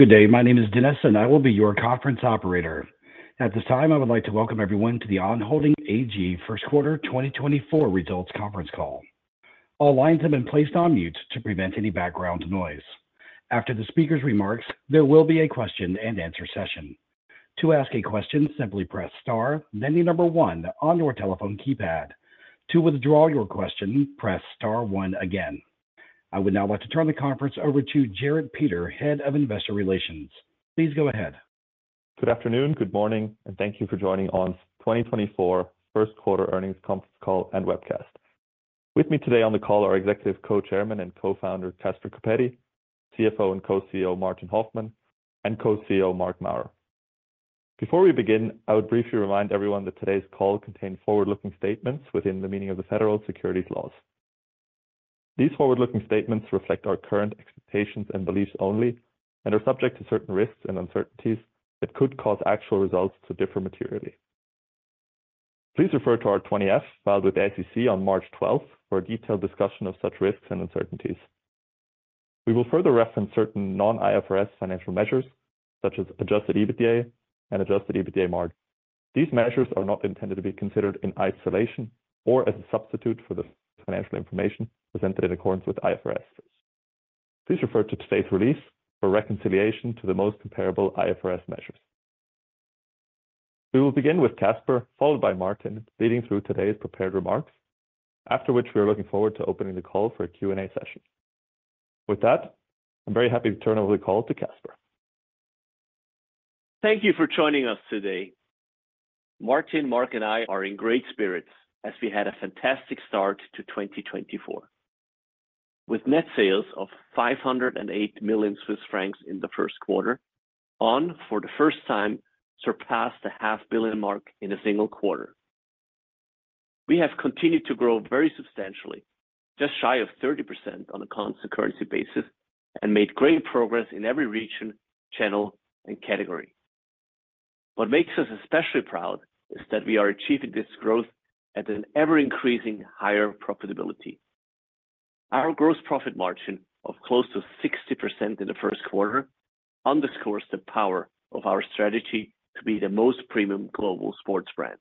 Good day. My name is Dennis, and I will be your conference operator. At this time, I would like to welcome everyone to the On Holding AG first quarter 2024 results conference call. All lines have been placed on mute to prevent any background noise. After the speaker's remarks, there will be a question-and-answer session. To ask a question, simply press star, then the number one on your telephone keypad. To withdraw your question, press star one again. I would now like to turn the conference over to Jerrit Peter, Head of Investor Relations. Please go ahead, Good afternoon, good morning, and thank you for joining On's 2024 first quarter earnings conference call and webcast. With me today on the call are Executive Co-Chairman and Co-founder, Caspar Coppetti, CFO and Co-CEO, Martin Hoffmann, and Co-CEO, Marc Maurer. Before we begin, I would briefly remind everyone that today's call contains forward-looking statements within the meaning of the federal securities laws. These forward-looking statements reflect our current expectations and beliefs only and are subject to certain risks and uncertainties that could cause actual results to differ materially. Please refer to our 20-F, filed with the SEC on March 12, for a detailed discussion of such risks and uncertainties. We will further reference certain non-IFRS financial measures, such as adjusted EBITDA and adjusted EBITDA margin. These measures are not intended to be considered in isolation or as a substitute for the financial information presented in accordance with IFRS. Please refer to today's release for reconciliation to the most comparable IFRS measures. We will begin with Caspar, followed by Martin, leading through today's prepared remarks, after which we are looking forward to opening the call for a Q&A session. With that, I'm very happy to turn over the call to Caspar. Thank you for joining us today. Martin, Marc, and I are in great spirits as we had a fantastic start to 2024. With net sales of 508 million Swiss francs in the first quarter, On, for the first time, surpassed the half billion mark in a single quarter. We have continued to grow very substantially, just shy of 30% on a constant currency basis, and made great progress in every region, channel, and category. What makes us especially proud is that we are achieving this growth at an ever-increasing higher profitability. Our gross profit margin of close to 60% in the first quarter underscores the power of our strategy to be the most premium global sports brand.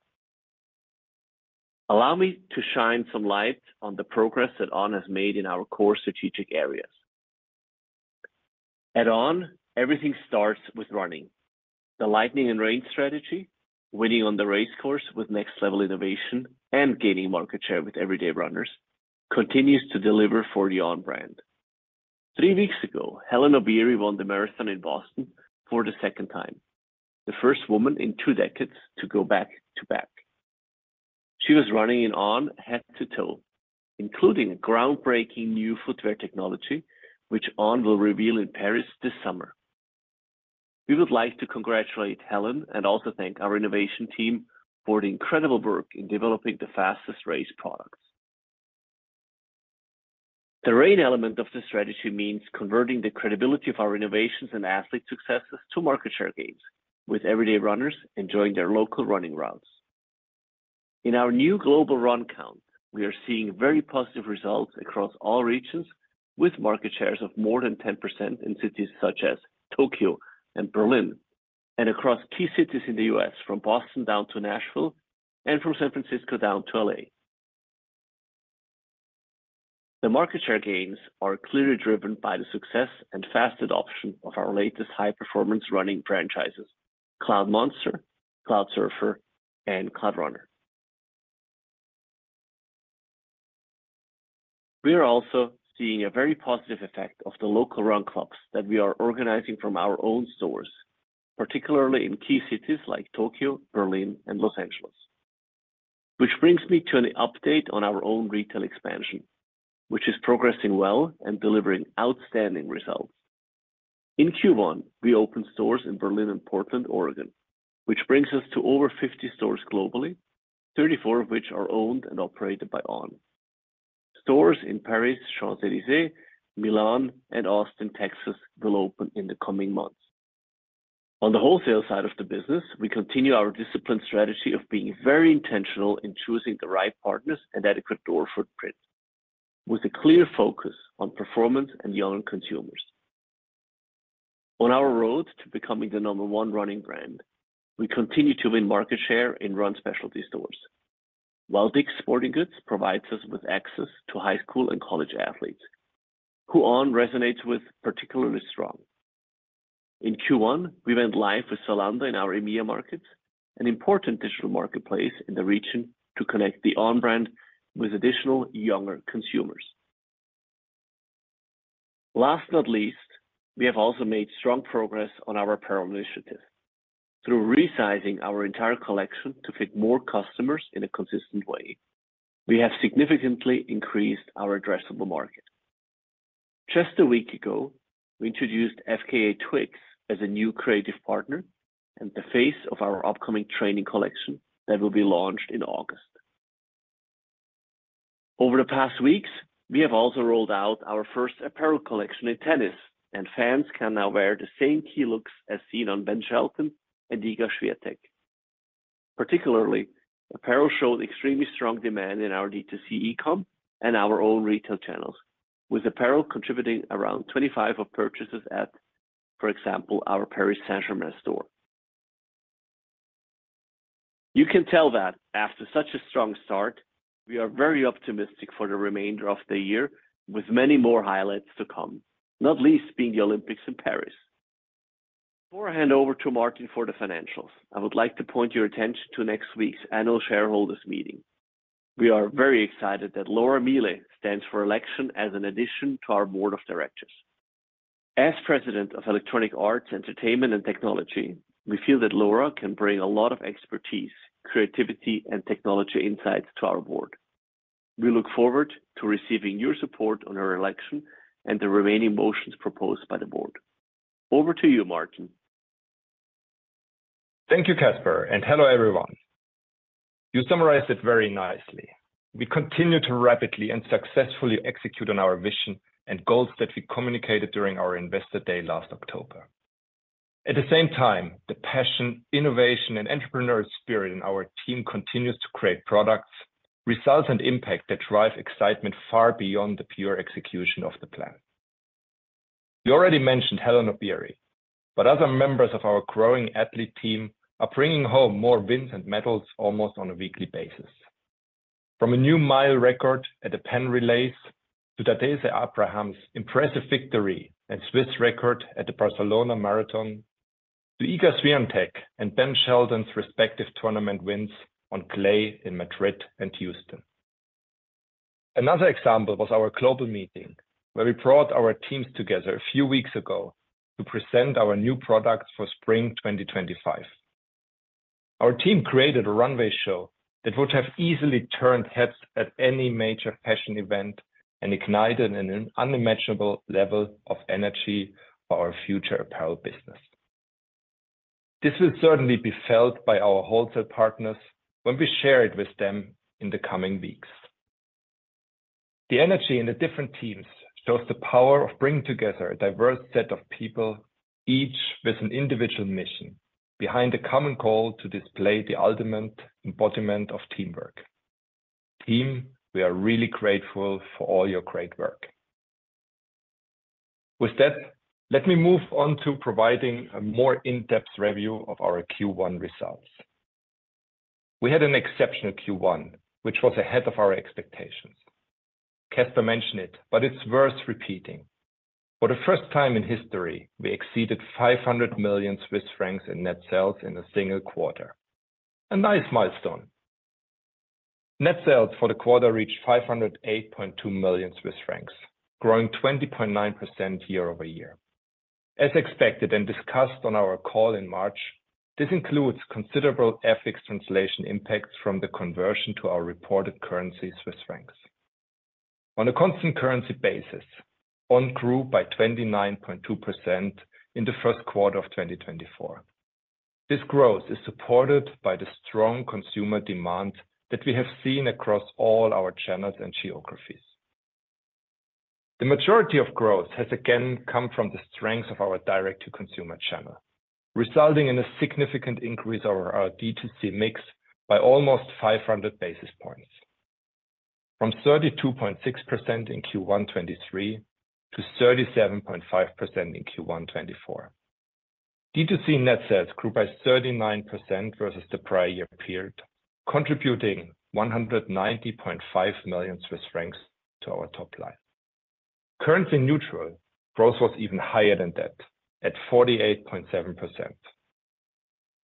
Allow me to shine some light on the progress that On has made in our core strategic areas. At On, everything starts with running. The Lightning and Rain strategy, winning on the race course with next-level innovation and gaining market share with everyday runners, continues to deliver for the On brand. Three weeks ago, Hellen Obiri won the marathon in Boston for the second time, the first woman in two decades to go back to back. She was running in On head to toe, including a groundbreaking new footwear technology, which On will reveal in Paris this summer. We would like to congratulate Hellen and also thank our innovation team for the incredible work in developing the fastest race products. The rain element of the strategy means converting the credibility of our innovations and athlete successes to market share gains, with everyday runners enjoying their local running routes. In our new global run count, we are seeing very positive results across all regions, with market shares of more than 10% in cities such as Tokyo and Berlin, and across key cities in the U.S., from Boston down to Nashville and from San Francisco down to L.A. The market share gains are clearly driven by the success and fast adoption of our latest high-performance running franchises, Cloudmonster, Cloudsurfer, and Cloudrunner. We are also seeing a very positive effect of the local run clubs that we are organizing from our own stores, particularly in key cities like Tokyo, Berlin, and Los Angeles. Which brings me to an update on our own retail expansion, which is progressing well and delivering outstanding results. In Q1, we opened stores in Berlin and Portland, Oregon, which brings us to over 50 stores globally, 34 of which are owned and operated by On. Stores in Paris, Champs-Élysées, Milan, and Austin, Texas, will open in the coming months. On the wholesale side of the business, we continue our disciplined strategy of being very intentional in choosing the right partners and adequate door footprint, with a clear focus on performance and young consumers. On our road to becoming the number one running brand, we continue to win market share in run specialty stores, while DICK'S Sporting Goods provides us with access to high school and college athletes, who On resonates with particularly strong. In Q1, we went live with Zalando in our EMEA markets, an important digital marketplace in the region to connect the On brand with additional younger consumers. Last but not least, we have also made strong progress on our apparel initiative. Through resizing our entire collection to fit more customers in a consistent way, we have significantly increased our addressable market. Just a week ago, we introduced FKA twigs as a new creative partner and the face of our upcoming training collection that will be launched in August. Over the past weeks, we have also rolled out our first apparel collection in tennis, and fans can now wear the same key looks as seen on Ben Shelton and Iga Świątek.... Particularly, apparel showed extremely strong demand in our D2C e-com and our own retail channels, with apparel contributing around 25% of purchases at, for example, our Paris Saint-Germain store. You can tell that after such a strong start, we are very optimistic for the remainder of the year, with many more highlights to come, not least being the Olympics in Paris. Before I hand over to Martin for the financials, I would like to point your attention to next week's annual shareholders meeting. We are very excited that Laura Miele stands for election as an addition to our board of directors. As President of Electronic Arts Entertainment and Technology, we feel that Laura can bring a lot of expertise, creativity, and technology insights to our board. We look forward to receiving your support on her election and the remaining motions proposed by the board. Over to you, Martin. Thank you, Caspar, and hello, everyone. You summarized it very nicely. We continue to rapidly and successfully execute on our vision and goals that we communicated during our Investor Day last October. At the same time, the passion, innovation, and entrepreneurial spirit in our team continues to create products, results, and impact that drive excitement far beyond the pure execution of the plan. You already mentioned Hellen Obiri, but other members of our growing athlete team are bringing home more wins and medals almost on a weekly basis. From a new mile record at the Penn Relays, to Tadesse Abraham's impressive victory and Swiss record at the Barcelona Marathon, to Iga Świątek and Ben Shelton's respective tournament wins on clay in Madrid and Houston. Another example was our global meeting, where we brought our teams together a few weeks ago to present our new products for spring 2025. Our team created a runway show that would have easily turned heads at any major fashion event and ignited an unimaginable level of energy for our future apparel business. This will certainly be felt by our wholesale partners when we share it with them in the coming weeks. The energy in the different teams shows the power of bringing together a diverse set of people, each with an individual mission, behind a common call to display the ultimate embodiment of teamwork. Team, we are really grateful for all your great work. With that, let me move on to providing a more in-depth review of our Q1 results. We had an exceptional Q1, which was ahead of our expectations. Caspar mentioned it, but it's worth repeating. For the first time in history, we exceeded 500 million Swiss francs in net sales in a single quarter. A nice milestone! Net sales for the quarter reached 508.2 million Swiss francs, growing 20.9% year-over-year. As expected and discussed on our call in March, this includes considerable FX translation impacts from the conversion to our reported currency, Swiss francs. On a constant currency basis, On grew by 29.2% in the first quarter of 2024. This growth is supported by the strong consumer demand that we have seen across all our channels and geographies. The majority of growth has again come from the strength of our direct-to-consumer channel, resulting in a significant increase over our D2C mix by almost 500 basis points, from 32.6% in Q1 2023 to 37.5% in Q1 2024. D2C net sales grew by 39% versus the prior-year period, contributing 190.5 million Swiss francs to our top line. Currency neutral, growth was even higher than that, at 48.7%.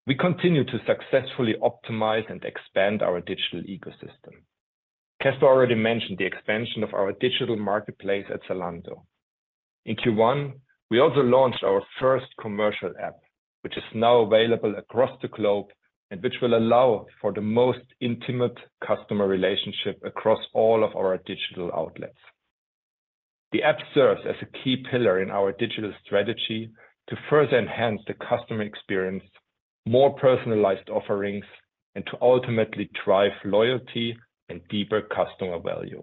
We continue to successfully optimize and expand our digital ecosystem. Caspar already mentioned the expansion of our digital marketplace at Zalando. In Q1, we also launched our first commercial app, which is now available across the globe and which will allow for the most intimate customer relationship across all of our digital outlets. The app serves as a key pillar in our digital strategy to further enhance the customer experience, more personalized offerings, and to ultimately drive loyalty and deeper customer value.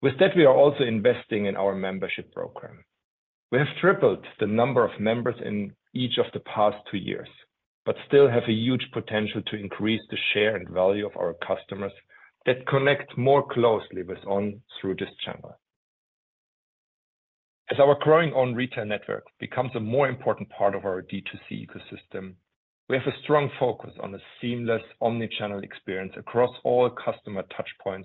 With that, we are also investing in our membership program. We have tripled the number of members in each of the past two years, but still have a huge potential to increase the share and value of our customers that connect more closely with On through this channel. As our growing On retail network becomes a more important part of our D2C ecosystem, we have a strong focus on a seamless omni-channel experience across all customer touchpoints,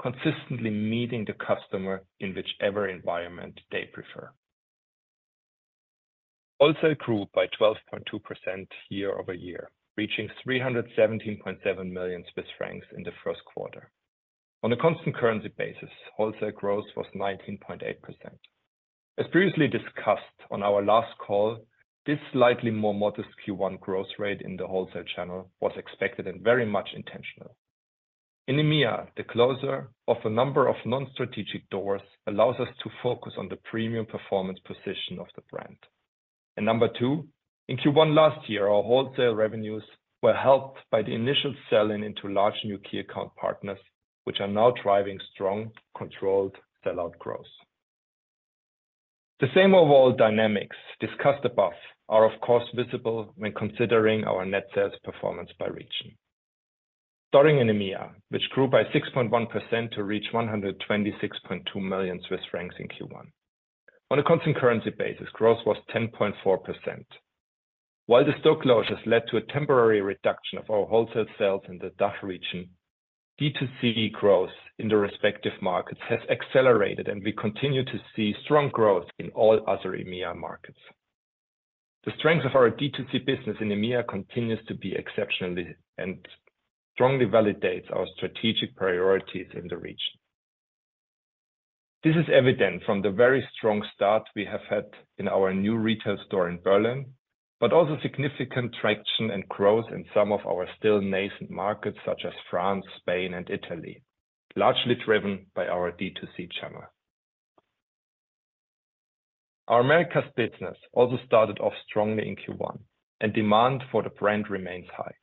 consistently meeting the customer in whichever environment they prefer. Wholesale grew by 12.2% year-over-year, reaching 317.7 million Swiss francs in the first quarter. On a constant currency basis, wholesale growth was 19.8%. As previously discussed on our last call, this slightly more modest Q1 growth rate in the wholesale channel was expected and very much intentional. In EMEA, the closure of a number of non-strategic doors allows us to focus on the premium performance position of the brand. And number two, in Q1 last year, our wholesale revenues were helped by the initial sell-in into large new key account partners, which are now driving strong, controlled sell-out growth.... The same overall dynamics discussed above are, of course, visible when considering our net sales performance by region. Starting in EMEA, which grew by 6.1% to reach 126.2 million Swiss francs in Q1. On a constant currency basis, growth was 10.4%. While the store closures led to a temporary reduction of our wholesale sales in the DACH region, D2C growth in the respective markets has accelerated, and we continue to see strong growth in all other EMEA markets. The strength of our D2C business in EMEA continues to be exceptionally and strongly validates our strategic priorities in the region. This is evident from the very strong start we have had in our new retail store in Berlin, but also significant traction and growth in some of our still nascent markets, such as France, Spain, and Italy, largely driven by our D2C channel. Our Americas business also started off strongly in Q1, and demand for the brand remains high.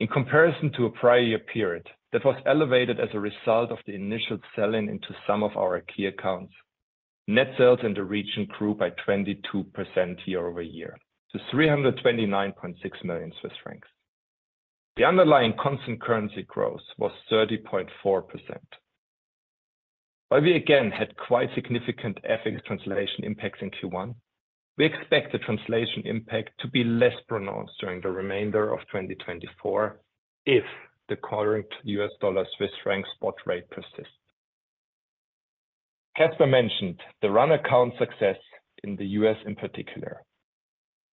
In comparison to a prior-year period, that was elevated as a result of the initial sell-in into some of our key accounts, net sales in the region grew by 22% year-over-year to CHF 329.6 million. The underlying constant currency growth was 30.4%. While we again had quite significant FX translation impacts in Q1, we expect the translation impact to be less pronounced during the remainder of 2024 if the current US dollar Swiss franc spot rate persists. Caspar mentioned the run count success in the US in particular.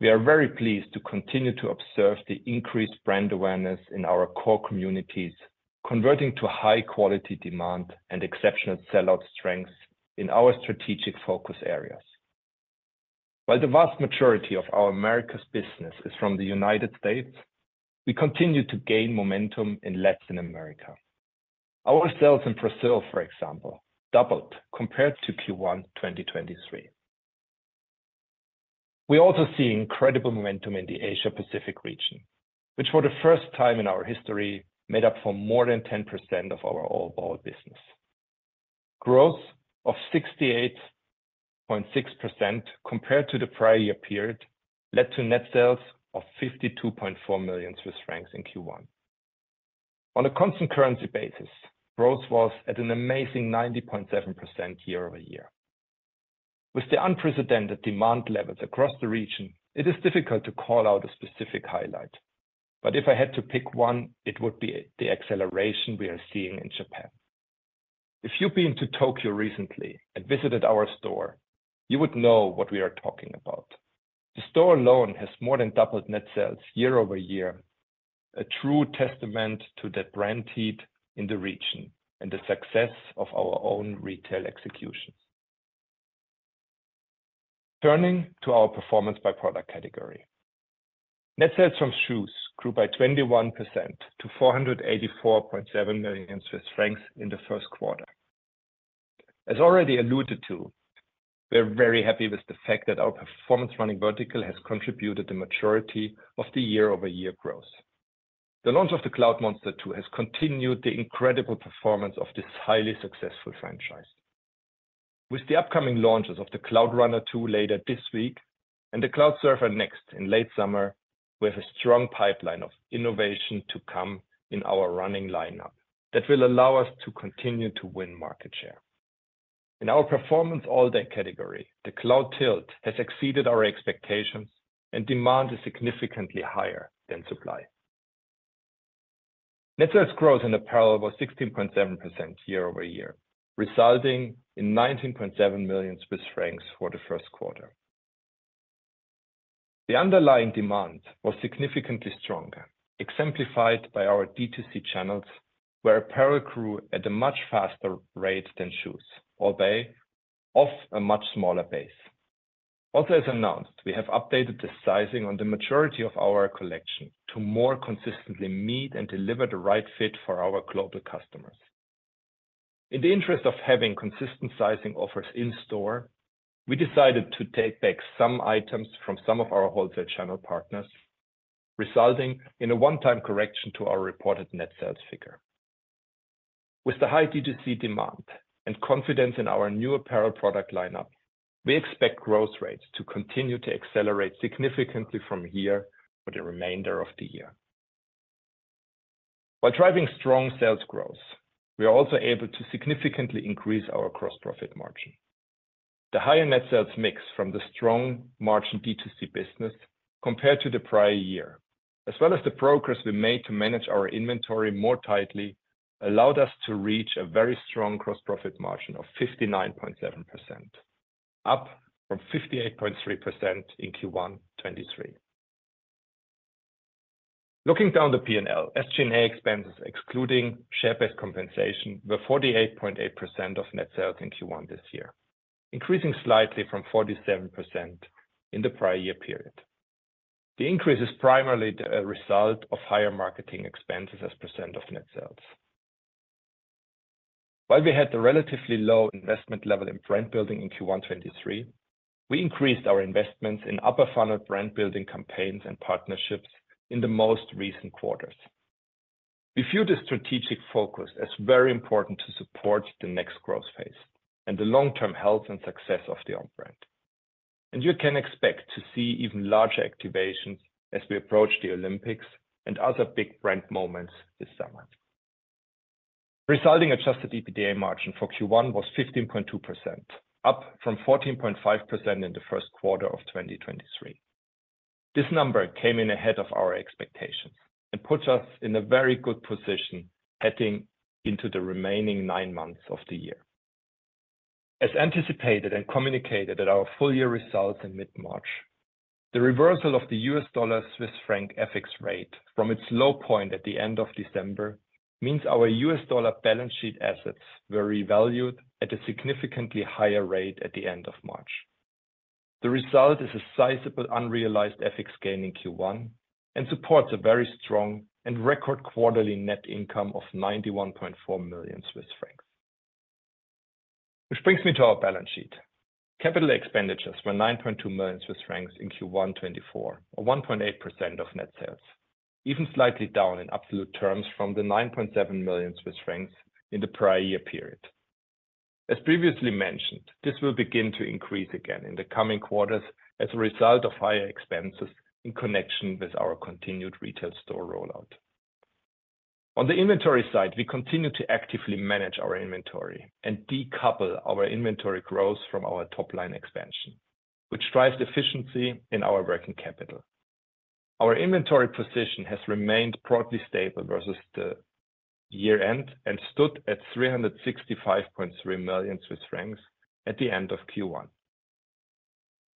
We are very pleased to continue to observe the increased brand awareness in our core communities, converting to high-quality demand and exceptional sell-out strengths in our strategic focus areas. While the vast majority of our Americas business is from the United States, we continue to gain momentum in Latin America. Our sales in Brazil, for example, doubled compared to Q1 2023. We also see incredible momentum in the Asia Pacific region, which for the first time in our history, made up for more than 10% of our overall business. Growth of 68.6% compared to the prior-year period, led to net sales of 52.4 million Swiss francs in Q1. On a constant currency basis, growth was at an amazing 90.7% year-over-year. With the unprecedented demand levels across the region, it is difficult to call out a specific highlight, but if I had to pick one, it would be the acceleration we are seeing in Japan. If you've been to Tokyo recently and visited our store, you would know what we are talking about. The store alone has more than doubled net sales year-over-year, a true testament to that brand heat in the region and the success of our own retail executions. Turning to our performance by product category. Net sales from shoes grew by 21% to 484.7 million Swiss francs in the first quarter. As already alluded to, we are very happy with the fact that our performance running vertical has contributed the majority of the year-over-year growth. The launch of the Cloudmonster 2 has continued the incredible performance of this highly successful franchise. With the upcoming launches of the Cloudrunner 2 later this week, and the Cloudsurfer Next in late summer, we have a strong pipeline of innovation to come in our running lineup that will allow us to continue to win market share. In our performance all-day category, the Cloudtilt has exceeded our expectations, and demand is significantly higher than supply. Net sales growth in apparel was 16.7% year-over-year, resulting in 19.7 million Swiss francs for the first quarter. The underlying demand was significantly stronger, exemplified by our D2C channels, where apparel grew at a much faster rate than shoes, albeit, off a much smaller base. Also, as announced, we have updated the sizing on the majority of our collection to more consistently meet and deliver the right fit for our global customers. In the interest of having consistent sizing offers in store, we decided to take back some items from some of our wholesale channel partners, resulting in a one-time correction to our reported net sales figure. With the high D2C demand and confidence in our new apparel product lineup, we expect growth rates to continue to accelerate significantly from here for the remainder of the year. While driving strong sales growth, we are also able to significantly increase our gross profit margin. The higher net sales mix from the strong margin D2C business compared to the prior-year, as well as the progress we made to manage our inventory more tightly, allowed us to reach a very strong gross profit margin of 59.7%, up from 58.3% in Q1 2023. Looking down the P&L, SG&A expenses, excluding share-based compensation, were 48.8% of net sales in Q1 this year, increasing slightly from 47% in the prior-year period. The increase is primarily the result of higher marketing expenses as percent of net sales. While we had the relatively low investment level in brand building in Q1 2023, we increased our investments in upper funnel brand building campaigns and partnerships in the most recent quarters.... We view the strategic focus as very important to support the next growth phase and the long-term health and success of the On brand. You can expect to see even larger activations as we approach the Olympics and other big brand moments this summer. Resulting adjusted EBITDA margin for Q1 was 15.2%, up from 14.5% in the first quarter of 2023. This number came in ahead of our expectations and puts us in a very good position heading into the remaining nine months of the year. As anticipated and communicated at our full-year results in mid-March, the reversal of the US dollar, Swiss franc FX rate from its low point at the end of December, means our US dollar balance sheet assets were revalued at a significantly higher rate at the end of March. The result is a sizable unrealized FX gain in Q1, and supports a very strong and record quarterly net income of 91.4 million Swiss francs. Which brings me to our balance sheet. Capital expenditures were 9.2 million Swiss francs in Q1 2024, or 1.8% of net sales, even slightly down in absolute terms from the 9.7 million Swiss francs in the prior-year period. As previously mentioned, this will begin to increase again in the coming quarters as a result of higher expenses in connection with our continued retail store rollout. On the inventory side, we continue to actively manage our inventory and decouple our inventory growth from our top-line expansion, which drives efficiency in our working capital. Our inventory position has remained broadly stable versus the year-end, and stood at 365.3 million Swiss francs at the end of Q1.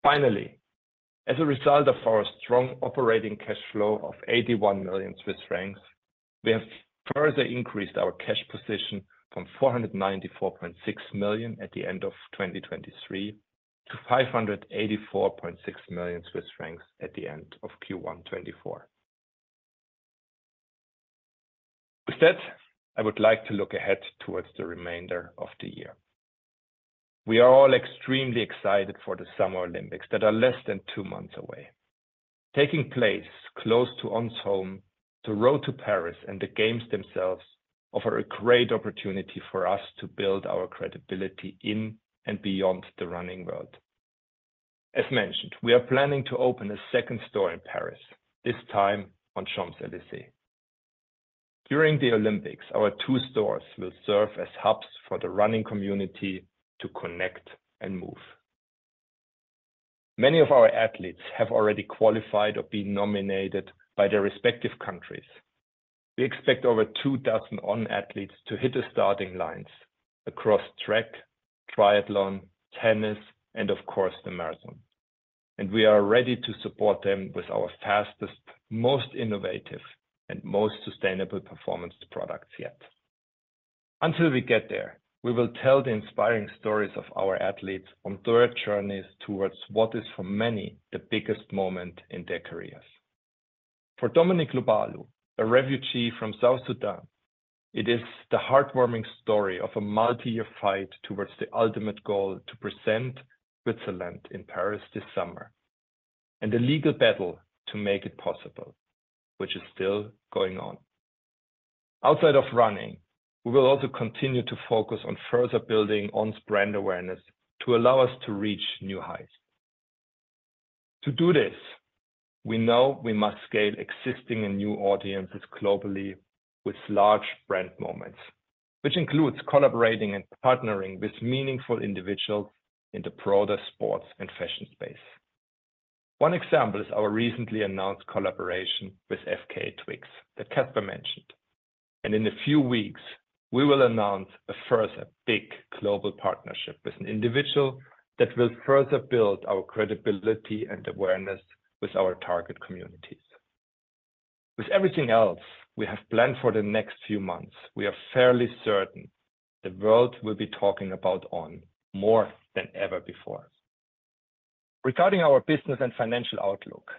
Finally, as a result of our strong operating cash flow of 81 million Swiss francs, we have further increased our cash position from 494.6 million at the end of 2023, to 584.6 million Swiss francs at the end of Q1 2024. With that, I would like to look ahead towards the remainder of the year. We are all extremely excited for the Summer Olympics that are less than two months away. Taking place close to On's home, the road to Paris and the Games themselves offer a great opportunity for us to build our credibility in and beyond the running world. As mentioned, we are planning to open a second store in Paris, this time on Champs-Élysées. During the Olympics, our two stores will serve as hubs for the running community to connect and move. Many of our athletes have already qualified or been nominated by their respective countries. We expect over 2,000 On athletes to hit the starting lines across track, triathlon, tennis, and of course, the marathon, and we are ready to support them with our fastest, most innovative and most sustainable performance products yet. Until we get there, we will tell the inspiring stories of our athletes on their journeys towards what is, for many, the biggest moment in their careers. For Dominic Lobalu, a refugee from South Sudan, it is the heartwarming story of a multi-year fight towards the ultimate goal: to present Switzerland in Paris this summer, and the legal battle to make it possible, which is still going on. Outside of running, we will also continue to focus on further building On's brand awareness to allow us to reach new heights. To do this, we know we must scale existing and new audiences globally with large brand moments, which includes collaborating and partnering with meaningful individuals in the broader sports and fashion space. One example is our recently announced collaboration with FKA twigs, that Caspar mentioned. In a few weeks, we will announce a further big global partnership with an individual that will further build our credibility and awareness with our target communities. With everything else we have planned for the next few months, we are fairly certain the world will be talking about On more than ever before. Regarding our business and financial outlook,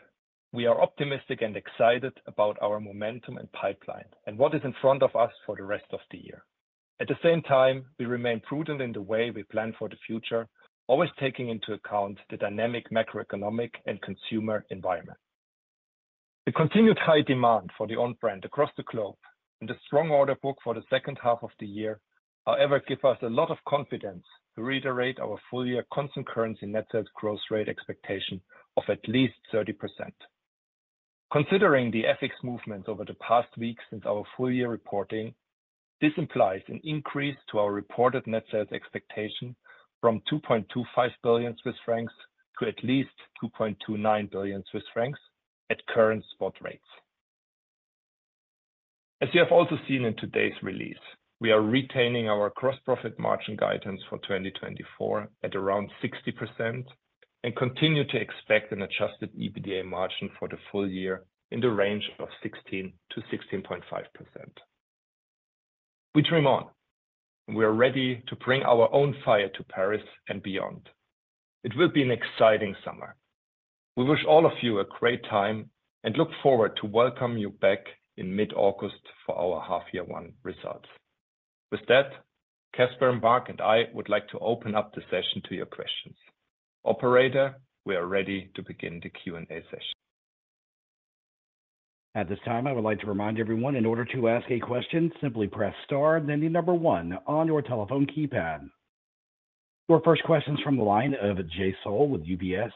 we are optimistic and excited about our momentum and pipeline, and what is in front of us for the rest of the year. At the same time, we remain prudent in the way we plan for the future, always taking into account the dynamic macroeconomic and consumer environment. The continued high demand for the On brand across the globe and the strong order book for the second half of the year, however, give us a lot of confidence to reiterate our full-year constant currency net sales growth rate expectation of at least 30%. Considering the FX movement over the past weeks since our full-year reporting, this implies an increase to our reported net sales expectation from 2.25 billion Swiss francs to at least 2.29 billion Swiss francs at current spot rates. As you have also seen in today's release, we are retaining our gross profit margin guidance for 2024 at around 60%, and continue to expect an adjusted EBITDA margin for the full-year in the range of 16%-16.5%. We dream On, and we are ready to bring our own fire to Paris and beyond. It will be an exciting summer. We wish all of you a great time, and look forward to welcome you back in mid-August for our half year one results.... With that, Caspar and Marc and I would like to open up the session to your questions. Operator, we are ready to begin the Q&A session. At this time, I would like to remind everyone, in order to ask a question, simply press star, then the number one on your telephone keypad. Your first question's from the line of Jay Sole with UBS.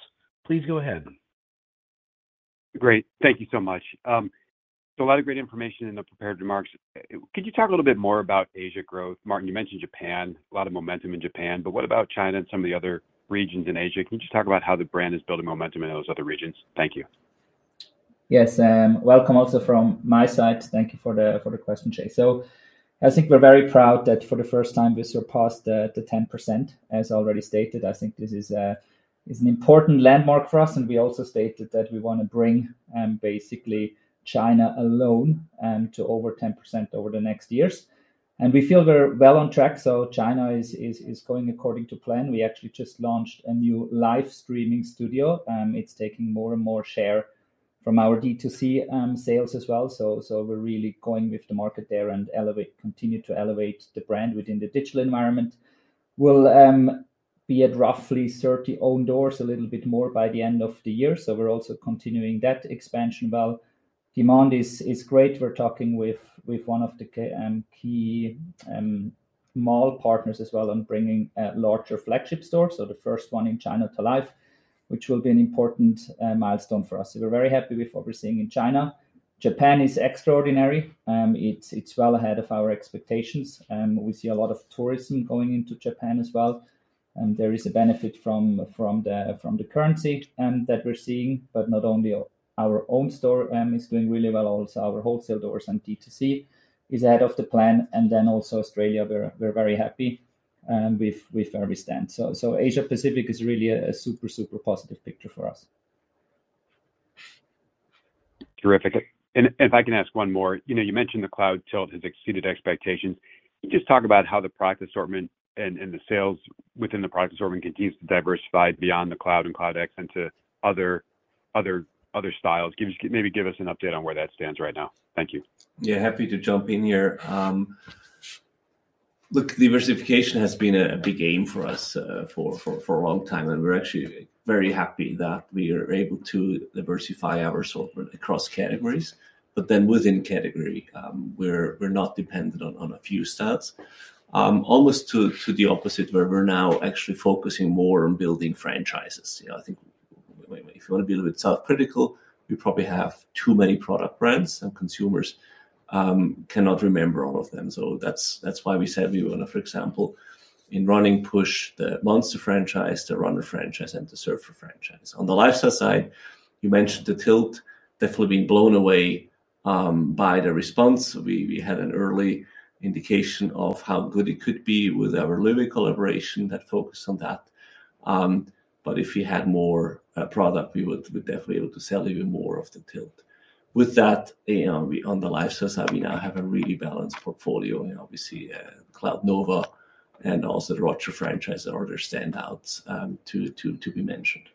Please go ahead. Great. Thank you so much. So a lot of great information in the prepared remarks. Could you talk a little bit more about Asia growth? Martin, you mentioned Japan, a lot of momentum in Japan, but what about China and some of the other regions in Asia? Can you just talk about how the brand is building momentum in those other regions? Thank you. Yes, welcome also from my side. Thank you for the question, Jay. So I think we're very proud that for the first time we surpassed the 10%, as already stated. I think this is an important landmark for us, and we also stated that we want to bring basically China alone to over 10% over the next years. And we feel we're well on track, so China is going according to plan. We actually just launched a new live streaming studio, it's taking more and more share from our D2C sales as well. So we're really going with the market there and elevate... continue to elevate the brand within the digital environment. We'll be at roughly 30 On doors, a little bit more by the end of the year, so we're also continuing that expansion. Well, demand is great. We're talking with one of the key mall partners as well on bringing a larger flagship store, so the first one in China to life, which will be an important milestone for us. So we're very happy with what we're seeing in China. Japan is extraordinary. It's well ahead of our expectations. We see a lot of tourism going into Japan as well, and there is a benefit from the currency that we're seeing, but not only our own store is doing really well, also our wholesale doors and D2C is ahead of the plan. And then also Australia, we're very happy with where we stand. So Asia Pacific is really a super positive picture for us. Terrific. And if I can ask one more, you know, you mentioned the Cloudtilt has exceeded expectations. Can you just talk about how the product assortment and the sales within the product assortment continues to diversify beyond the Cloud and Cloud X into other styles? Give us... Maybe give us an update on where that stands right now. Thank you. Yeah, happy to jump in here. Look, diversification has been a big aim for us for a long time, and we're actually very happy that we are able to diversify our assortment across categories, but then within category, we're not dependent on a few styles. Almost to the opposite, where we're now actually focusing more on building franchises. You know, I think if you want to be a little bit self-critical, we probably have too many product brands, and consumers cannot remember all of them. So that's why we said we want to, for example, in running, push the Cloudmonster franchise, the Cloudrunner franchise, and the Cloudsurfer franchise. On the lifestyle side, you mentioned the Cloudtilt. Definitely been blown away by the response. We had an early indication of how good it could be with our Loewe collaboration that focused on that. But if we had more product, we would definitely be able to sell even more of the Cloudtilt. With that, on the lifestyle side, we now have a really balanced portfolio. Obviously, Cloudnova and also The Roger franchise are other standouts, to be mentioned.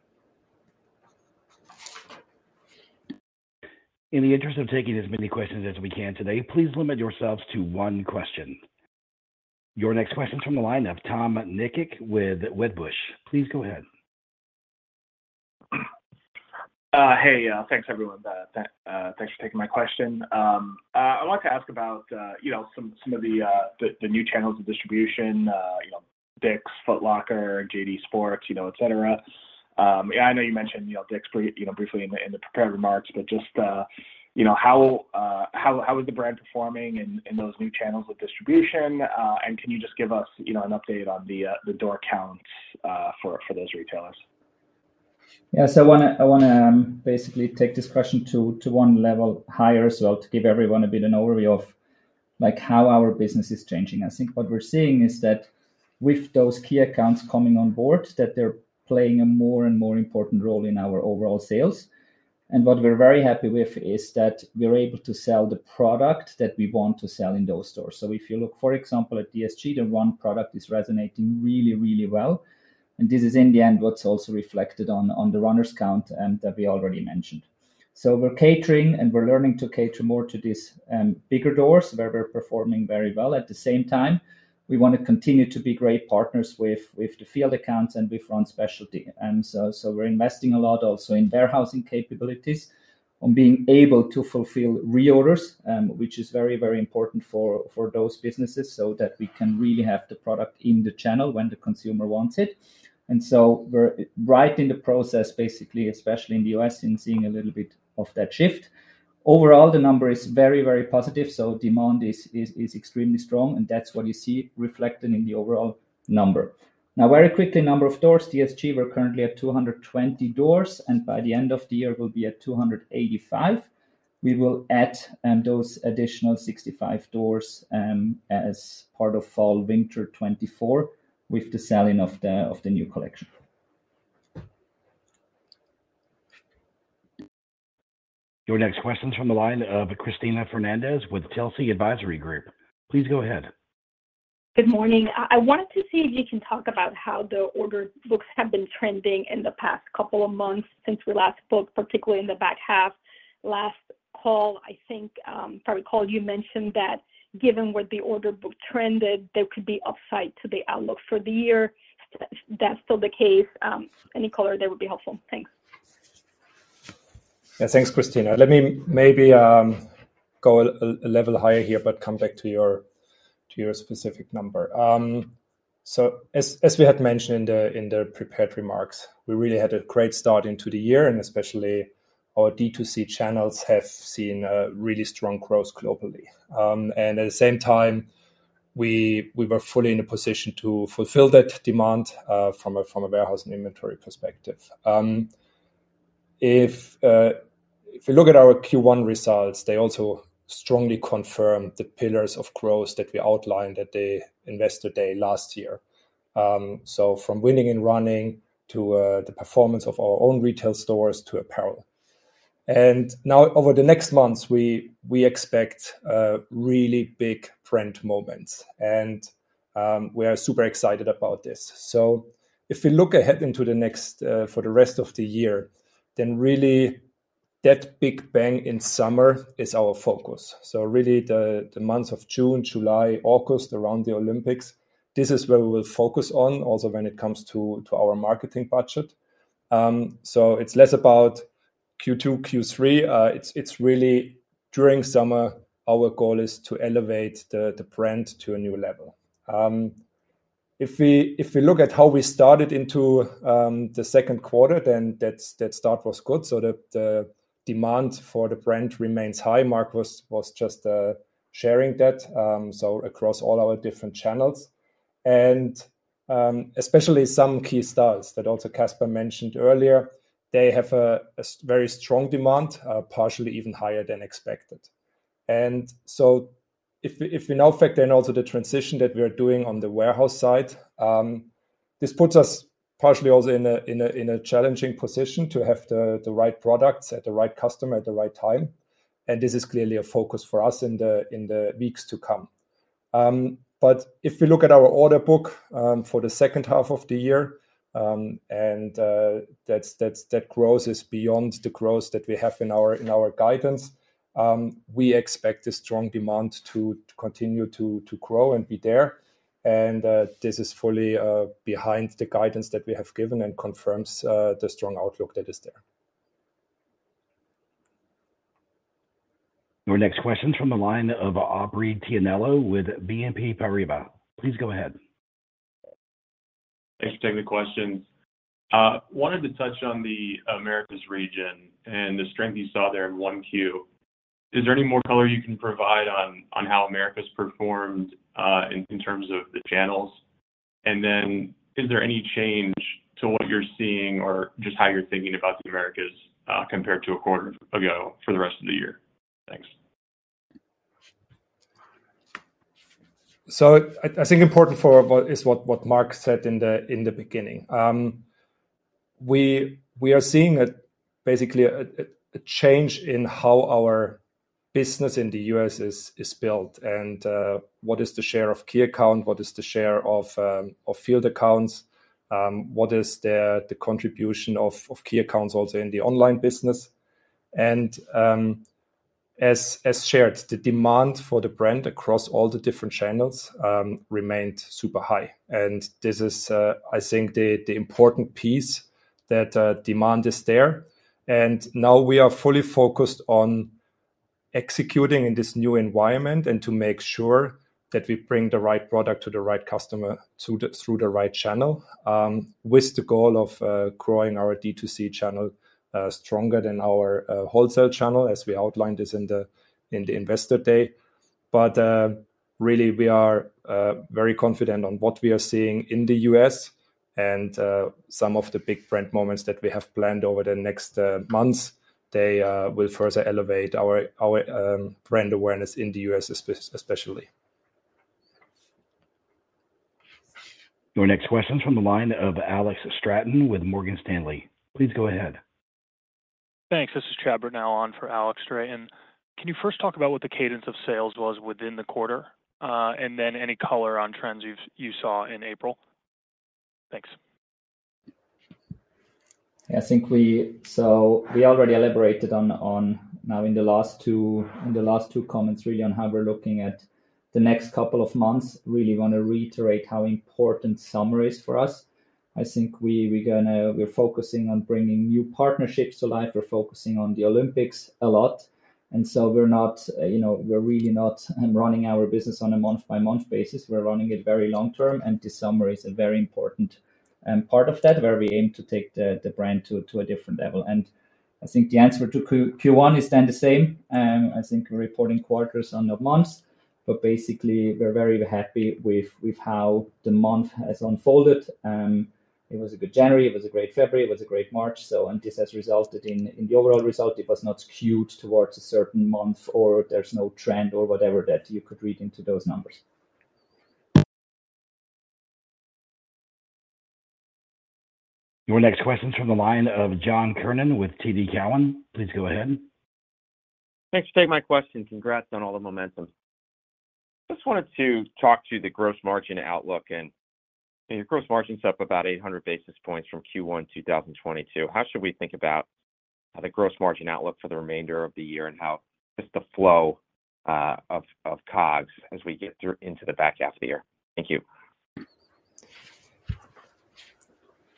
In the interest of taking as many questions as we can today, please limit yourselves to one question. Your next question's from the line of Tom Nikic with Wedbush. Please go ahead. Hey, thanks, everyone. Thanks for taking my question. I'd like to ask about, you know, some of the new channels of distribution, you know, DICK'S, Foot Locker, JD Sports, you know, et cetera. I know you mentioned, you know, DICK'S, you know, briefly in the prepared remarks, but just, you know, how is the brand performing in those new channels of distribution? And can you just give us, you know, an update on the door counts for those retailers? Yes, I wanna basically take this question to one level higher, so to give everyone a bit of an overview of, like, how our business is changing. I think what we're seeing is that with those key accounts coming on board, that they're playing a more and more important role in our overall sales. And what we're very happy with is that we're able to sell the product that we want to sell in those stores. So if you look, for example, at DSG, the run product is resonating really, really well, and this is in the end what's also reflected on the runners count and that we already mentioned. So we're catering and we're learning to cater more to these bigger doors, where we're performing very well. At the same time, we want to continue to be great partners with, with the field accounts and with run specialty. And so, so we're investing a lot also in warehousing capabilities, on being able to fulfill reorders, which is very, very important for, for those businesses, so that we can really have the product in the channel when the consumer wants it. And so we're right in the process, basically, especially in the U.S., in seeing a little bit of that shift. Overall, the number is very, very positive, so demand is extremely strong, and that's what you see reflected in the overall number. Now, very quickly, number of stores, DSG, we're currently at 220 doors, and by the end of the year, we'll be at 285. We will add those additional 65 doors as part of fall/winter 2024, with the selling of the new collection. Your next question's from the line of Cristina Fernandez with Telsey Advisory Group. Please go ahead. Good morning. I wanted to see if you can talk about how the order books have been trending in the past couple of months since we last spoke, particularly in the back half. Last call, I think, if I recall, you mentioned that given where the order book trended, there could be upside to the outlook for the year. If that's still the case, any color there would be helpful. Thanks. Yeah. Thanks, Cristina. Let me maybe go a level higher here, but come back to your, to your specific number. So as we had mentioned in the prepared remarks, we really had a great start into the year, and especially our D2C channels have seen a really strong growth globally. And at the same time, we were fully in a position to fulfill that demand from a warehouse and inventory perspective. If you look at our Q1 results, they also strongly confirm the pillars of growth that we outlined at the Investor Day last year. So from winning and running, to the performance of our own retail stores, to apparel. And now, over the next months, we expect a really big trend moments, and we are super excited about this. So if we look ahead into the next, for the rest of the year, then really that big bang in summer is our focus. So really, the, the months of June, July, August, around the Olympics, this is where we will focus on, also when it comes to, to our marketing budget. So it's less about Q2, Q3. It's, it's really during summer, our goal is to elevate the, the brand to a new level. If we, if we look at how we started into, the second quarter, then that, that start was good. So the, the demand for the brand remains high. Mark was, was just, sharing that, so across all our different channels. And, especially some key styles that also Casper mentioned earlier, they have a, a very strong demand, partially even higher than expected. So if we now factor in also the transition that we are doing on the warehouse side, this puts us partially also in a challenging position to have the right products at the right customer at the right time, and this is clearly a focus for us in the weeks to come. But if we look at our order book for the second half of the year, and that growth is beyond the growth that we have in our guidance. We expect a strong demand to continue to grow and be there, and this is fully behind the guidance that we have given and confirms the strong outlook that is there. Your next question from the line of Aubrey Tianello with BNP Paribas. Please go ahead. Thanks for taking the questions. Wanted to touch on the Americas region and the strength you saw there in 1Q. Is there any more color you can provide on how Americas performed in terms of the channels? And then is there any change to what you're seeing or just how you're thinking about the Americas compared to a quarter ago for the rest of the year? Thanks. So I think important for is what Marc said in the beginning. We are seeing basically a change in how our business in the U.S. is built, and what is the share of key account, what is the share of of field accounts, what is the contribution of key accounts also in the online business. And as shared, the demand for the brand across all the different channels remained super high. And this is I think the important piece, that demand is there. Now we are fully focused on executing in this new environment and to make sure that we bring the right product to the right customer through the right channel, with the goal of growing our D2C channel stronger than our wholesale channel, as we outlined this in the Investor Day. But really, we are very confident on what we are seeing in the US, and some of the big brand moments that we have planned over the next months, they will further elevate our brand awareness in the US, especially. Your next question from the line of Alex Straton with Morgan Stanley. Please go ahead. Thanks. This is Chad Britnell on for Alex Straton. Can you first talk about what the cadence of sales was within the quarter? And then any color on trends you've, you saw in April? Thanks. I think. So we already elaborated on now in the last two comments, really, on how we're looking at the next couple of months. Really want to reiterate how important summer is for us. I think we're gonna. We're focusing on bringing new partnerships alive. We're focusing on the Olympics a lot, and so we're not, you know, we're really not running our business on a month-by-month basis. We're running it very long term, and this summer is a very important part of that, where we aim to take the brand to a different level. And I think the answer to Q1 is then the same. I think we're reporting quarters and of months, but basically, we're very happy with how the month has unfolded. It was a good January, it was a great February, it was a great March. So and this has resulted in the overall result. It was not skewed towards a certain month, or there's no trend or whatever that you could read into those numbers. Your next question's from the line of John Kernan with TD Cowen. Please go ahead. Thanks for taking my question. Congrats on all the momentum. Just wanted to talk to the gross margin outlook, and your gross margin's up about 800 basis points from Q1 2022. How should we think about the gross margin outlook for the remainder of the year and how just the flow of COGS as we get through into the back half of the year? Thank you.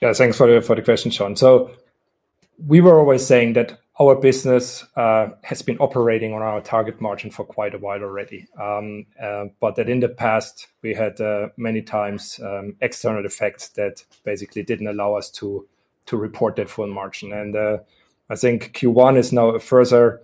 Yeah, thanks for the, for the question, John. So we were always saying that our business has been operating on our target margin for quite a while already. But that in the past we had many times external effects that basically didn't allow us to report that full margin. And I think Q1 is now a further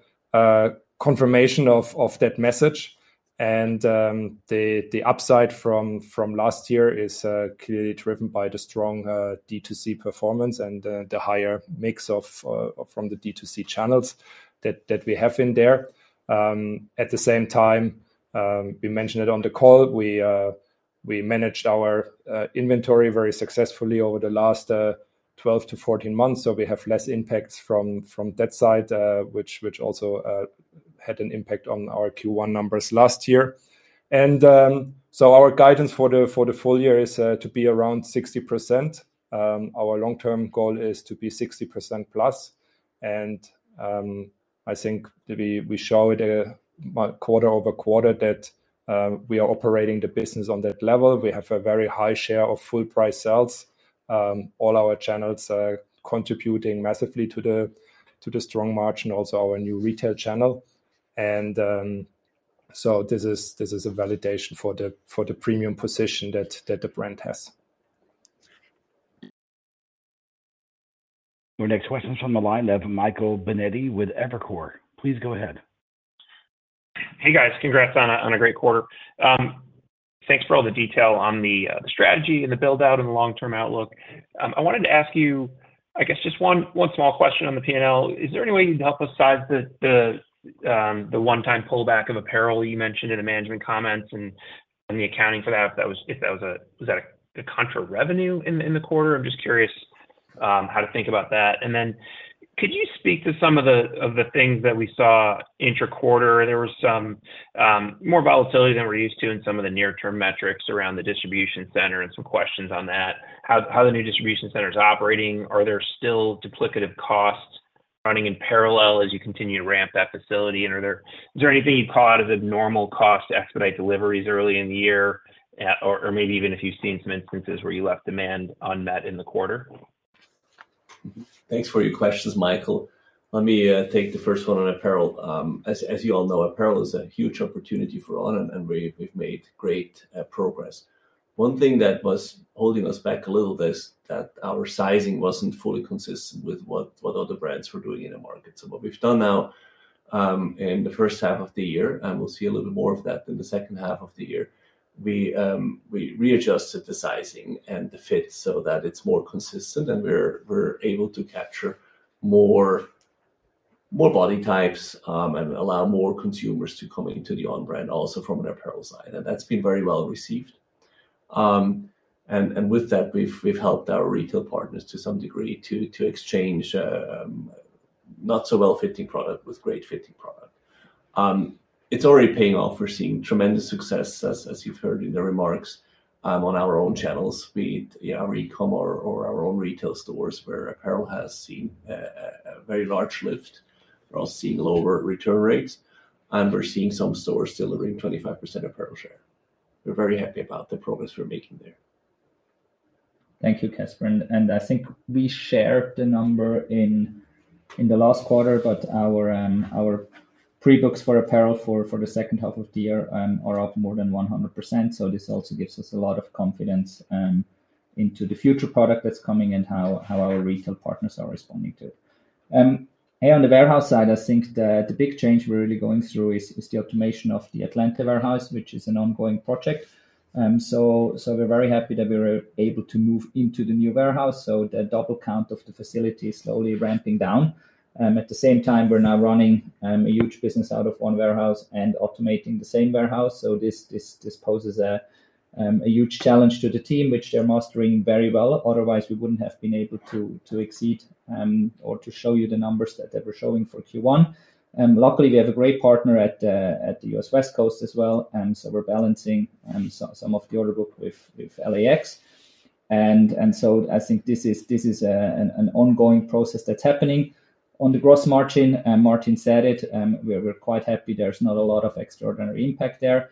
confirmation of that message. And the upside from last year is clearly driven by the strong D2C performance and the higher mix from the D2C channels that we have in there. At the same time, we mentioned it on the call, we managed our inventory very successfully over the last 12-14 months, so we have less impacts from that side, which also had an impact on our Q1 numbers last year. So our guidance for the full-year is to be around 60%. Our long-term goal is to be 60%+, and I think that we showed a quarter-over-quarter that we are operating the business on that level. We have a very high share of full price sales. All our channels are contributing massively to the strong margin, also our new retail channel. So this is a validation for the premium position that the brand has. Your next question is from the line of Michael Binetti with Evercore ISI. Please go ahead. Hey, guys. Congrats on a, on a great quarter. Thanks for all the detail on the, the strategy and the build-out and the long-term outlook. I wanted to ask you, I guess, just one, one small question on the P&L. Is there any way you can help us size the, the, the one-time pullback of apparel you mentioned in the management comments and, and the accounting for that, if that was, if that was a- was that a contra revenue in, in the quarter? I'm just curious, how to think about that. And then could you speak to some of the, of the things that we saw intra-quarter? There was some, more volatility than we're used to in some of the near-term metrics around the distribution center and some questions on that. How, how are the new distribution centers operating? Are there still duplicative costs running in parallel as you continue to ramp that facility? And are there, is there anything you'd call out as abnormal cost to expedite deliveries early in the year? Or maybe even if you've seen some instances where you left demand unmet in the quarter. Thanks for your questions, Michael. Let me take the first one on apparel. As you all know, apparel is a huge opportunity for On, and we've made great progress. One thing that was holding us back a little is that our sizing wasn't fully consistent with what other brands were doing in the market. So what we've done now, in the first half of the year, and we'll see a little more of that in the second half of the year, we readjusted the sizing and the fit so that it's more consistent, and we're able to capture more body types, and allow more consumers to come into the On brand, also from an apparel side, and that's been very well received. And with that, we've helped our retail partners to some degree, to exchange not so well-fitting product with great fitting product. It's already paying off. We're seeing tremendous success, as you've heard in the remarks, on our own channels, be it our e-com or our own retail stores, where apparel has seen a very large lift. We're also seeing lower return rates, and we're seeing some stores delivering 25% apparel share. We're very happy about the progress we're making there. Thank you, Caspar, and I think we shared the number in the last quarter, but our pre-books for apparel for the second half of the year are up more than 100%. So this also gives us a lot of confidence into the future product that's coming and how our retail partners are responding to it. And on the warehouse side, I think the big change we're really going through is the automation of the Atlanta warehouse, which is an ongoing project. So we're very happy that we were able to move into the new warehouse, so the double count of the facility is slowly ramping down. At the same time, we're now running a huge business out of one warehouse and automating the same warehouse, so this poses a huge challenge to the team, which they're mastering very well. Otherwise, we wouldn't have been able to exceed or to show you the numbers that they were showing for Q1. And luckily, we have a great partner at the U.S. West Coast as well, and so we're balancing some of the order book with LAX. And so I think this is an ongoing process that's happening. On the gross margin, and Martin said it, we're quite happy there's not a lot of extraordinary impact there.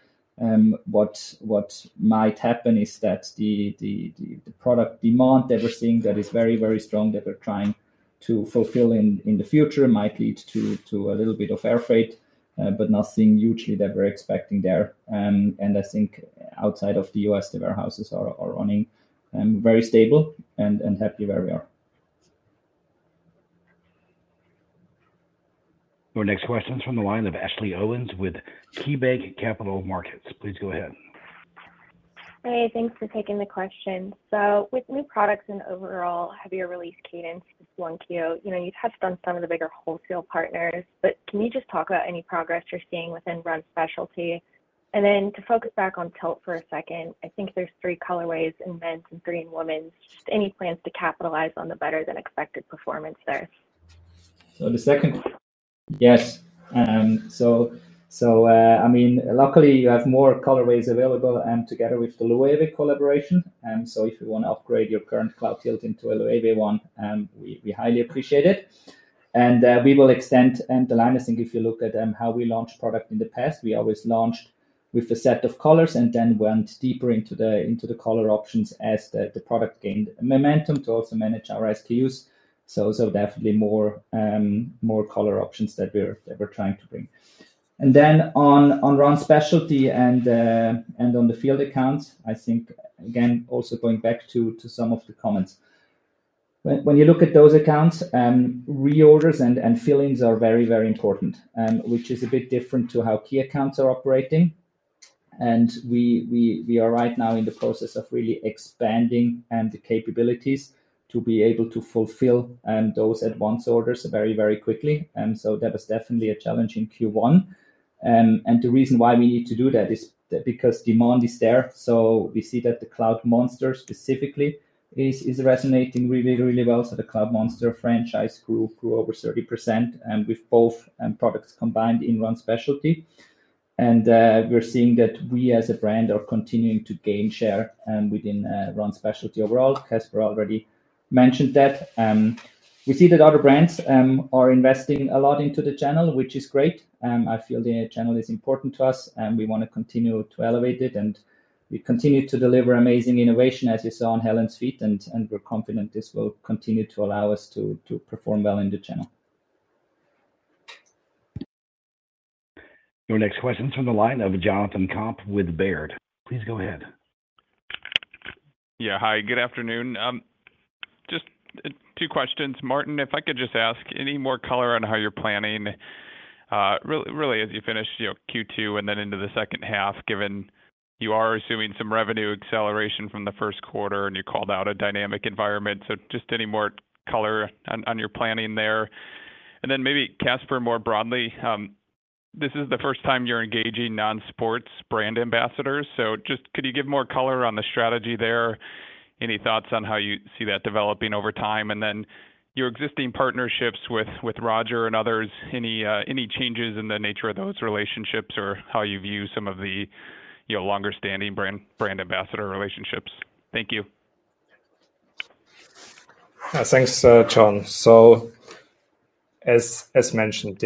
What might happen is that the product demand that we're seeing that is very, very strong, that we're trying to fulfill in the future, might lead to a little bit of air freight, but nothing hugely that we're expecting there. I think outside of the US, the warehouses are running very stable and happy where we are. Your next question is from the line of Ashley Owens with KeyBanc Capital Markets. Please go ahead. Hey, thanks for taking the question. So with new products and overall heavier release cadence, one Q, you know, you've touched on some of the bigger wholesale partners, but can you just talk about any progress you're seeing run specialty? Then to focus back on Cloudtilt for a second, I think there's three colorways in men's and three in women's. Just any plans to capitalize on the better than expected performance there? So the second, yes. So, I mean, luckily, you have more colorways available, and together with the Loewe collaboration, so if you want to upgrade your current Cloudtilt into a Loewe one, we highly appreciate it. And, we will extend, and the line, I think if you look at how we launched product in the past, we always launched with a set of colors and then went deeper into the color options as the product gained momentum to also manage our SKUs. So, definitely more color options that we're trying to bring. And then on run specialty and on the field accounts, I think, again, also going back to some of the comments. When you look at those accounts, reorders and fill-ins are very, very important, which is a bit different to how key accounts are operating. We are right now in the process of really expanding the capabilities to be able to fulfill those advance orders very, very quickly. So that was definitely a challenge in Q1. The reason why we need to do that is because demand is there, so we see that the Cloudmonster specifically is resonating really, really well. So the Cloudmonster franchise grew over 30%, and with both products combined in run specialty. We're seeing that we, as a brand, are continuing to gain share within run specialty overall. Caspar already mentioned that. We see that other brands are investing a lot into the channel, which is great, and I feel the channel is important to us, and we want to continue to elevate it, and we continue to deliver amazing innovation, as you saw on Hellen's feet, and we're confident this will continue to allow us to perform well in the channel. Your next question is from the line of Jonathan Komp with Baird. Please go ahead. Yeah. Hi, good afternoon. Just two questions. Martin, if I could just ask any more color on how you're planning, really, really as you finish, you know, Q2 and then into the second half, given you are assuming some revenue acceleration from the first quarter, and you called out a dynamic environment. So just any more color on your planning there? And then maybe, Caspar, more broadly, this is the first time you're engaging non-sports brand ambassadors, so just could you give more color on the strategy there? Any thoughts on how you see that developing over time, and then your existing partnerships with Roger and others, any changes in the nature of those relationships or how you view some of the, you know, longer-standing brand ambassador relationships? Thank you. Thanks, Jon. So as mentioned,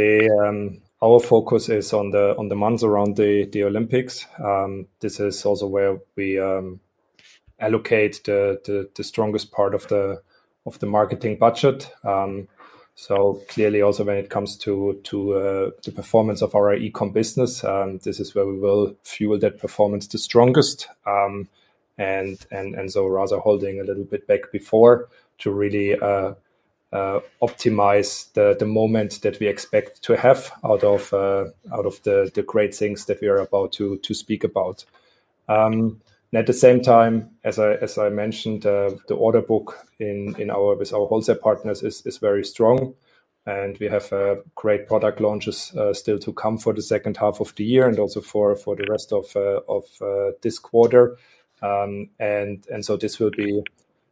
our focus is on the months around the Olympics. This is also where we allocate the strongest part of the marketing budget. So clearly, also, when it comes to the performance of our e-com business, this is where we will fuel that performance the strongest. And so we're rather holding a little bit back before to really optimize the moment that we expect to have out of the great things that we are about to speak about. At the same time, as I mentioned, the order book in our wholesale partners is very strong, and we have great product launches still to come for the second half of the year and also for the rest of this quarter. So this will be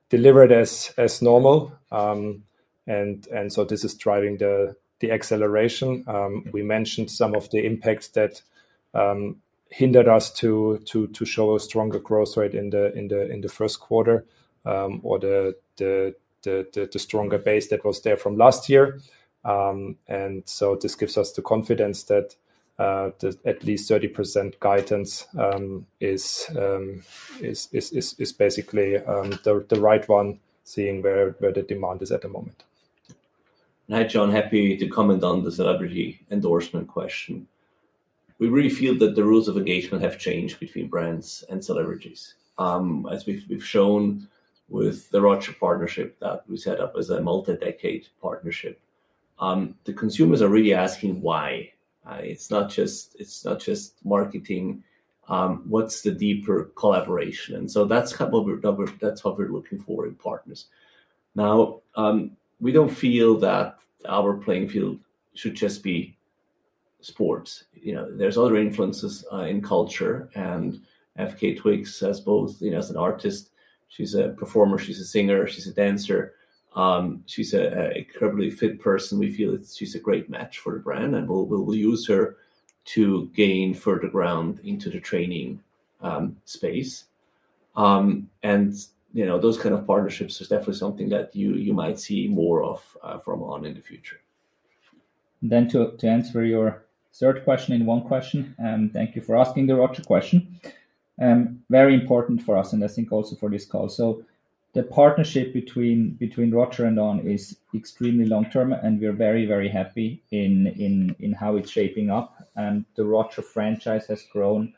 delivered as normal. So this is driving the acceleration. We mentioned some of the impacts that hindered us to show a stronger growth rate in the first quarter, or the stronger base that was there from last year. And so this gives us the confidence that the at least 30% guidance is basically the right one, seeing where the demand is at the moment. Hi, Jon. Happy to comment on the celebrity endorsement question. We really feel that the rules of engagement have changed between brands and celebrities. As we've shown with the Roger partnership that we set up as a multi-decade partnership. The consumers are really asking why. It's not just marketing, what's the deeper collaboration? So that's kind of what we're looking for in partners. Now, we don't feel that our playing field should just be sports. You know, there's other influences in culture, and FKA twigs as both, you know, as an artist, she's a performer, she's a singer, she's a dancer, she's a incredibly fit person. We feel that she's a great match for the brand, and we'll, we'll, we'll use her to gain further ground into the training space. And, you know, those kind of partnerships is definitely something that you, you might see more of from On in the future. Then to answer your third question in one question, and thank you for asking the Roger question. Very important for us and I think also for this call. So the partnership between Roger and On is extremely long-term, and we are very, very happy in how it's shaping up. And the Roger franchise has grown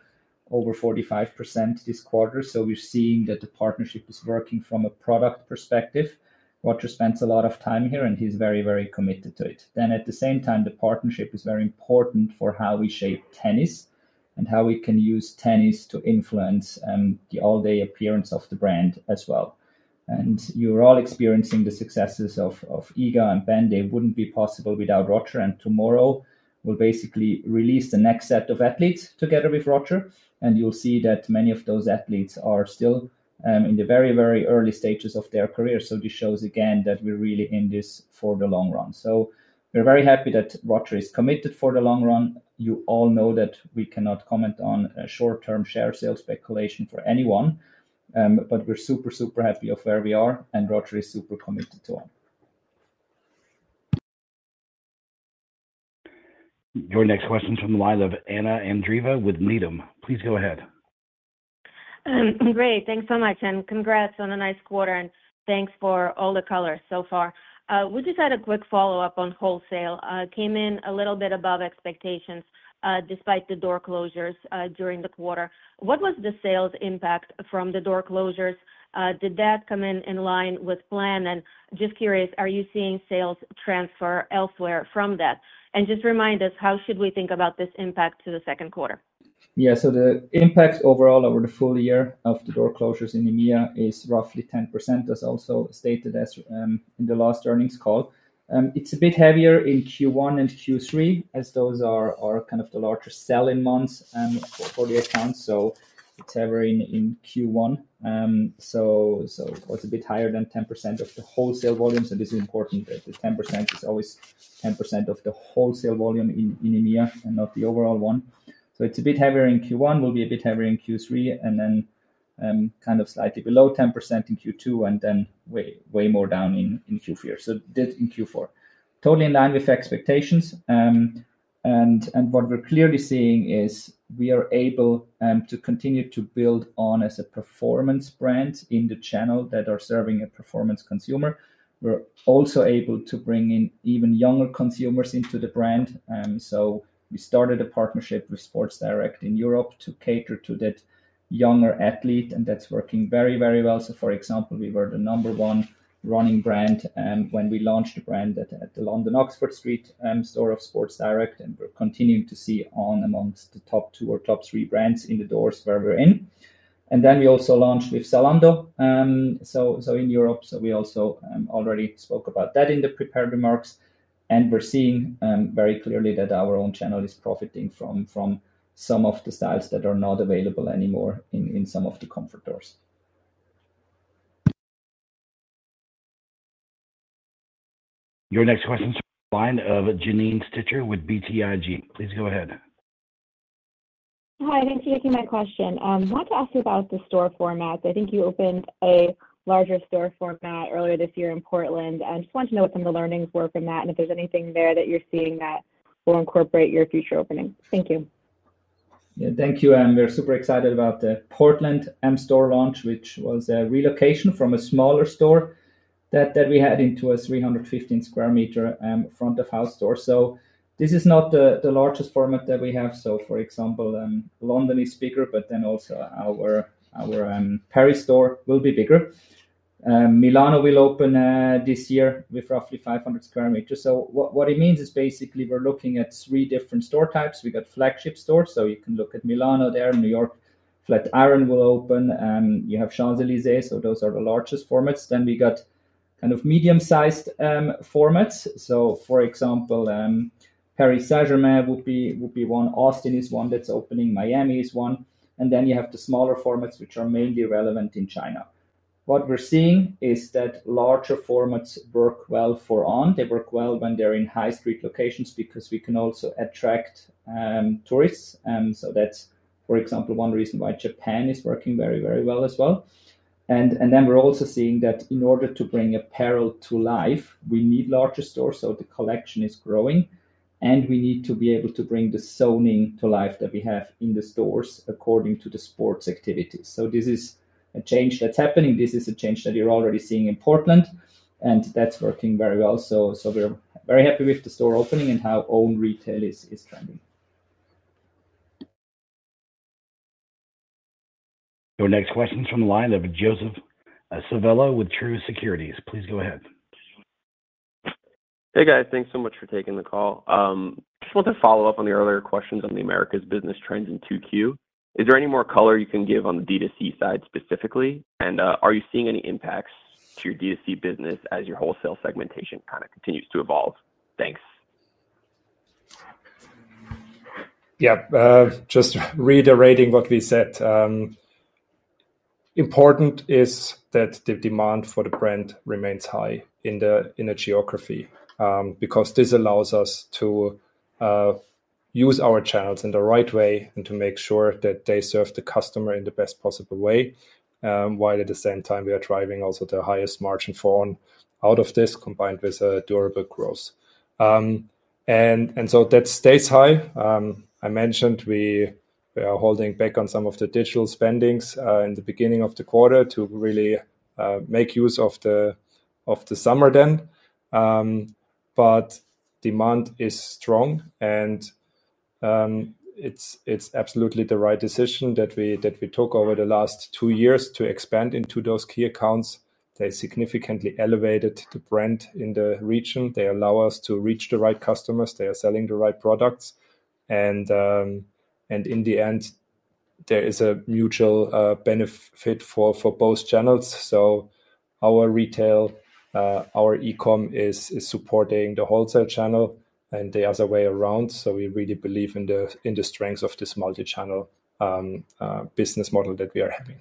over 45% this quarter, so we're seeing that the partnership is working from a product perspective. Roger spends a lot of time here, and he's very, very committed to it. Then at the same time, the partnership is very important for how we shape tennis and how we can use tennis to influence the all-day appearance of the brand as well. And you're all experiencing the successes of Iga and Ben. They wouldn't be possible without Roger, and tomorrow we'll basically release the next set of athletes together with Roger, and you'll see that many of those athletes are still in the very, very early stages of their career. So this shows again that we're really in this for the long run. So we're very happy that Roger is committed for the long run. You all know that we cannot comment on short-term share sale speculation for anyone. But we're super, super happy of where we are, and Roger is super committed to them. Your next question from the line of Anna Andreeva with Needham. Please go ahead. Great. Thanks so much, and congrats on a nice quarter, and thanks for all the color so far. We just had a quick follow-up on wholesale. Came in a little bit above expectations, despite the door closures during the quarter. What was the sales impact from the door closures? Did that come in in line with plan? And just curious, are you seeing sales transfer elsewhere from that? And just remind us, how should we think about this impact to the second quarter? Yeah, so the impact overall over the full-year of the door closures in EMEA is roughly 10%, as also stated as in the last earnings call. It's a bit heavier in Q1 and Q3, as those are kind of the larger selling months for the accounts. So it's heavier in Q1. So it's a bit higher than 10% of the wholesale volume, so this is important, that the 10% is always 10% of the wholesale volume in EMEA and not the overall one. So it's a bit heavier in Q1, will be a bit heavier in Q3, and then kind of slightly below 10% in Q2, and then way, way more down in Q4. So that in Q4. Totally in line with expectations. And what we're clearly seeing is we are able to continue to build On as a performance brand in the channel that are serving a performance consumer. We're also able to bring in even younger consumers into the brand. So we started a partnership with Sports Direct in Europe to cater to that younger athlete, and that's working very, very well. So for example, we were the number-one running brand when we launched the brand at the London Oxford Street store of Sports Direct, and we're continuing to see On amongst the top two or top three brands in the doors where we're in. And then we also launched with Zalando, so in Europe. We also already spoke about that in the prepared remarks, and we're seeing very clearly that our own channel is profiting from some of the styles that are not available anymore in some of the department stores. Your next question from the line of Janine Stichter with BTIG. Please go ahead. Hi, thank you for taking my question. I want to ask you about the store formats. I think you opened a larger store format earlier this year in Portland, and just want to know what some of the learnings were from that, and if there's anything there that you're seeing that will incorporate your future opening. Thank you. Yeah. Thank you, and we're super excited about the Portland store launch, which was a relocation from a smaller store that we had into a 315 sq m front of house store. This is not the largest format that we have. For example, London is bigger, but then also our Paris store will be bigger. Milan will open this year with roughly 500 sq m. What it means is basically we're looking at three different store types. We got flagship stores, so you can look at Milan there, New York, Flatiron will open, you have Champs-Élysées, so those are the largest formats. Then we got kind of medium-sized formats. So for example, Paris Saint-Germain would be one, Austin is one that's opening, Miami is one, and then you have the smaller formats which are mainly relevant in China. What we're seeing is that larger formats work well for On. They work well when they're in high street locations because we can also attract tourists. So that's, for example, one reason why Japan is working very, very well as well. And then we're also seeing that in order to bring apparel to life, we need larger stores, so the collection is growing, and we need to be able to bring the zoning to life that we have in the stores according to the sports activities. So this is a change that's happening. This is a change that you're already seeing in Portland, and that's working very well. We're very happy with the store opening and how On retail is trending. Your next question is from the line of Joseph Civello with Truist Securities. Please go ahead. Hey, guys. Thanks so much for taking the call. Just want to follow up on the earlier questions on the Americas business trends in Q2. Is there any more color you can give on the D2C side specifically? And, are you seeing any impacts to your D2C business as your wholesale segmentation kind of continues to evolve? Thanks. Yeah, just reiterating what we said. Important is that the demand for the brand remains high in the geography, because this allows us to use our channels in the right way and to make sure that they serve the customer in the best possible way, while at the same time we are driving also the highest margin from out of this, combined with durable growth. And so that stays high. I mentioned we are holding back on some of the digital spending in the beginning of the quarter to really make use of the summer then. But demand is strong and it's absolutely the right decision that we took over the last two years to expand into those key accounts. They significantly elevated the brand in the region. They allow us to reach the right customers. They are selling the right products and in the end, there is a mutual benefit for both channels. So our retail, our e-com is supporting the wholesale channel. ... and the other way around. So we really believe in the strengths of this multi-channel business model that we are having.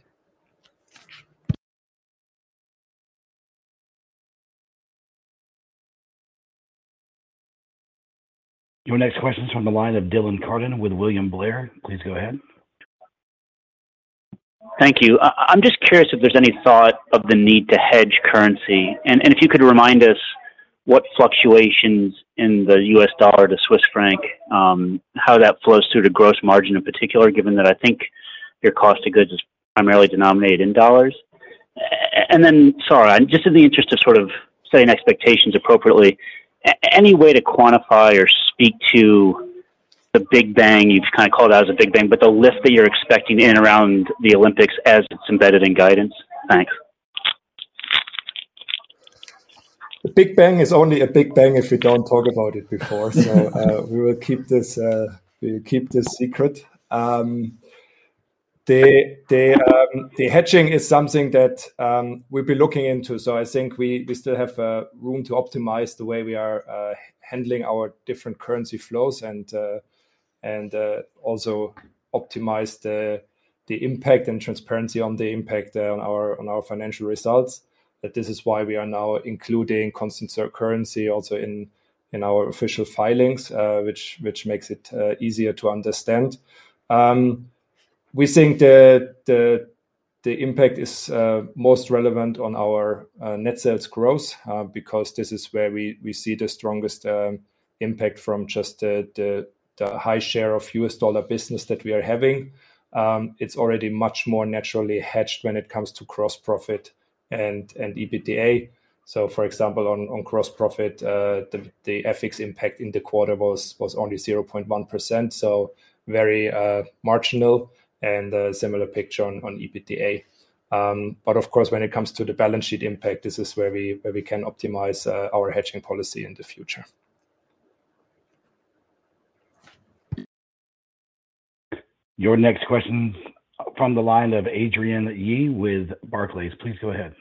Your next question is from the line of Dylan Carden with William Blair. Please go ahead. Thank you. I'm just curious if there's any thought of the need to hedge currency, and, and if you could remind us what fluctuations in the US dollar to Swiss franc, how that flows through to gross margin in particular, given that I think your cost of goods is primarily denominated in dollars. And then, sorry, just in the interest of sort of setting expectations appropriately, any way to quantify or speak to the big bang? You've kinda called it out as a big bang, but the lift that you're expecting in around the Olympics as it's embedded in guidance. Thanks. The big bang is only a big bang if you don't talk about it before. So, we will keep this, we'll keep this secret. The hedging is something that we've been looking into. So I think we still have room to optimize the way we are handling our different currency flows, and also optimize the impact and transparency on the impact on our financial results. But this is why we are now including constant currency also in our official filings, which makes it easier to understand. We think the impact is most relevant on our net sales growth, because this is where we see the strongest impact from just the high share of U.S. dollar business that we are having. It's already much more naturally hedged when it comes to gross profit and EBITDA. So for example, on gross profit, the FX impact in the quarter was only 0.1%, so very marginal, and a similar picture on EBITDA. But of course, when it comes to the balance sheet impact, this is where we can optimize our hedging policy in the future. Your next question from the line of Adrienne Yih with Barclays. Please go ahead.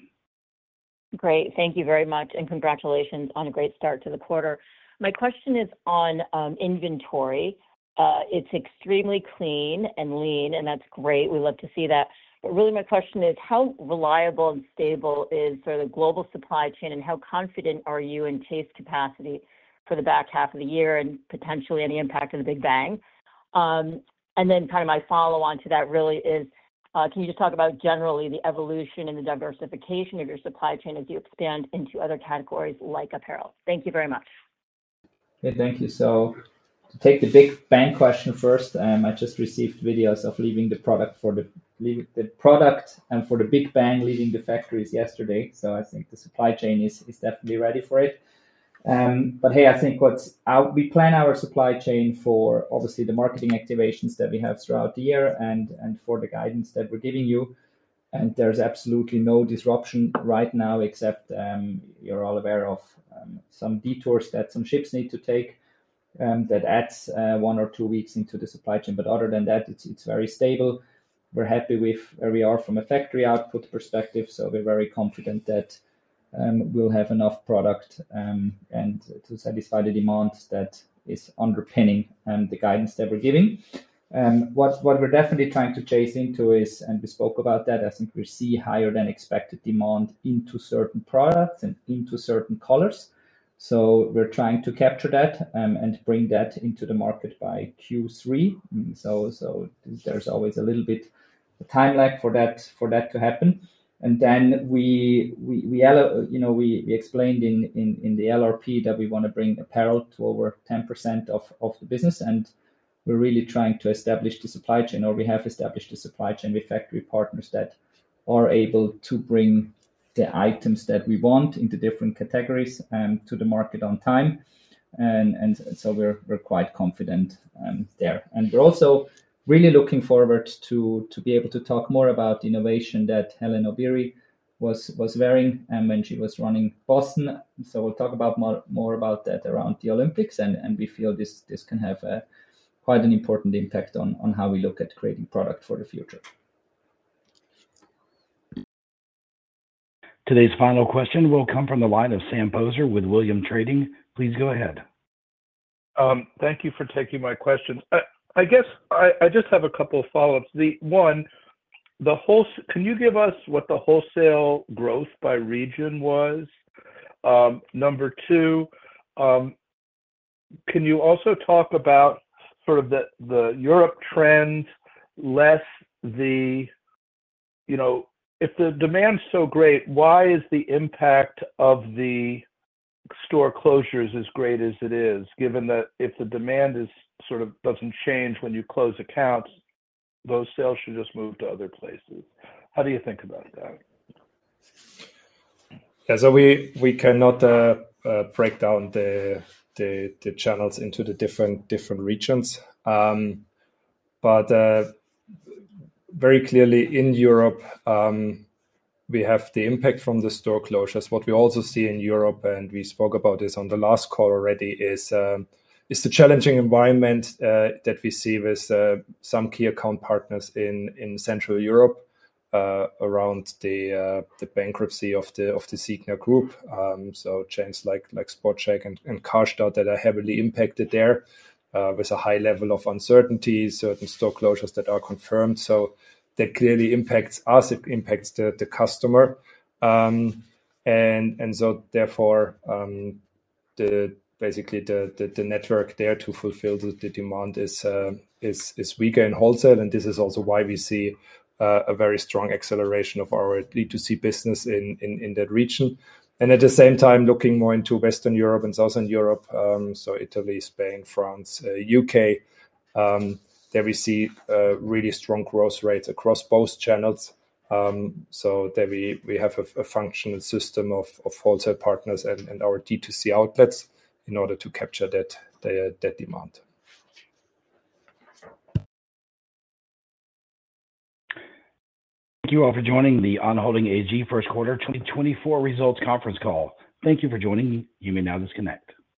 Great. Thank you very much, and congratulations on a great start to the quarter. My question is on inventory. It's extremely clean and lean, and that's great. We love to see that. But really, my question is: How reliable and stable is sort of the global supply chain, and how confident are you in chase capacity for the back half of the year and potentially any impact of the big bang? And then kind of my follow-on to that really is, can you just talk about generally the evolution and the diversification of your supply chain as you expand into other categories like apparel? Thank you very much. Yeah. Thank you. So to take the big bang question first, I just received videos of the product leaving the factories yesterday. So I think the supply chain is definitely ready for it. But hey, I think we plan our supply chain for obviously the marketing activations that we have throughout the year and for the guidance that we're giving you, and there's absolutely no disruption right now, except you're all aware of some detours that some ships need to take that adds one or two weeks into the supply chain. But other than that, it's very stable. We're happy with where we are from a factory output perspective, so we're very confident that we'll have enough product and to satisfy the demand that is underpinning the guidance that we're giving. What we're definitely trying to chase into is, and we spoke about that, I think we see higher than expected demand into certain products and into certain colors. So we're trying to capture that and bring that into the market by Q3. So there's always a little bit a time lag for that, for that to happen. And then we allow... You know, we explained in the LRP that we wanna bring apparel to over 10% of the business, and we're really trying to establish the supply chain, or we have established the supply chain with factory partners that are able to bring the items that we want into different categories and to the market on time. And so we're quite confident there. And we're also really looking forward to be able to talk more about the innovation that Hellen Obiri was wearing when she was running Boston. So we'll talk about more about that around the Olympics, and we feel this can have a quite an important impact on how we look at creating product for the future. Today's final question will come from the line of Sam Poser with Williams Trading. Please go ahead. Thank you for taking my questions. I guess I just have a couple of follow-ups. One, the whole... Can you give us what the wholesale growth by region was? Number two, can you also talk about sort of the Europe trend, less the, you know... If the demand's so great, why is the impact of the store closures as great as it is, given that if the demand is sort of doesn't change when you close accounts, those sales should just move to other places? How do you think about that? Yeah, so we cannot break down the channels into the different regions. But very clearly in Europe, we have the impact from the store closures. What we also see in Europe, and we spoke about this on the last call already, is the challenging environment that we see with some key account partners in Central Europe around the bankruptcy of the Signa Group. So chains like SportScheck and Karstadt that are heavily impacted there with a high level of uncertainty, certain store closures that are confirmed. So that clearly impacts us, it impacts the customer. And so therefore, basically, the network there to fulfill the demand is weaker in wholesale, and this is also why we see a very strong acceleration of our D2C business in that region. And at the same time, looking more into Western Europe and Southern Europe, so Italy, Spain, France, UK, there we see really strong growth rates across both channels. So there we have a functional system of wholesale partners and our D2C outlets in order to capture that demand. Thank you all for joining the On Holding AG first quarter 2024 results conference call. Thank you for joining me. You may now disconnect.